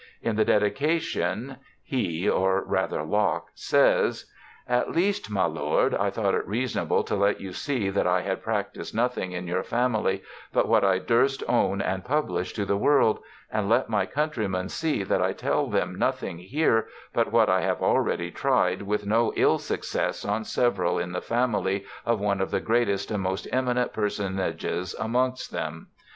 In the dedica tion he (or rather Locke) says :* At least, my lord, I thought it reasonable to let yo\x see that I had practised nothing in your family but what I durst own and publish to the world, and let my countrymen see that I tell them nothing here but what I have already tried with no ill success on several in the famil}' of one of the greatest and most eminent personages amongst them.'